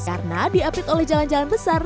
karena diapit oleh jalan jalan besar